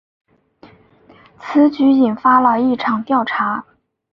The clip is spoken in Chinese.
此举引发了一场调查。